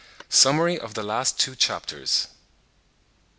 A SUMMARY OF THE LAST TWO CHAPTERS.